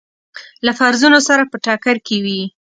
له فرضونو سره په ټکر کې وي.